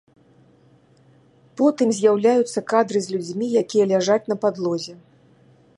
Потым з'яўляюцца кадры з людзьмі, якія ляжаць на падлозе.